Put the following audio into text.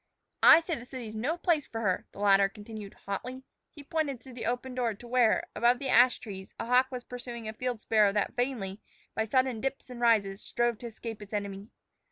"I say the city's no place for her," the latter continued hotly. He pointed through the open door to where, above the ash trees, a hawk was pursuing a field sparrow that vainly, by sudden dips and rises, strove to escape its enemy.